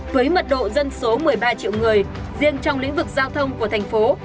với mật độ dân số một mươi ba triệu người riêng trong lĩnh vực giao thông của thành phố